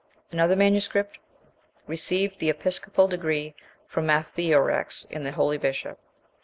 Another MS. "Received the episcopal degree from Matheorex and the holy bishop."